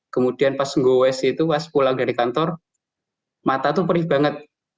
kemudian pas nge wess itu pas pulang dari kantor mata itu perih banget